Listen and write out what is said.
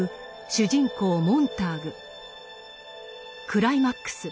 クライマックス。